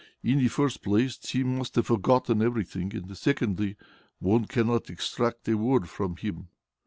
In the first place, he must have forgotten everything; and secondly, one cannot extract a word from him."